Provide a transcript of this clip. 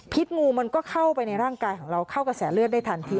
งูมันก็เข้าไปในร่างกายของเราเข้ากระแสเลือดได้ทันที